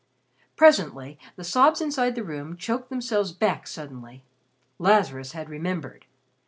Presently the sobs inside the room choked themselves back suddenly. Lazarus had remembered.